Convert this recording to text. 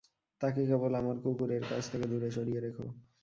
তাকে কেবল আমার কুকুর এর কাছ থেকে দূরে সরিয়ে রেখো।